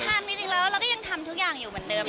ทำจริงแล้วเราก็ยังทำทุกอย่างอยู่เหมือนเดิม